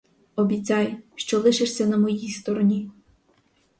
Обіцяй, що лишишся на моїй стороні!